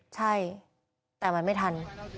ใช่แต่มันไม่ทัน